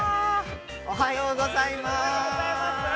おはようございます。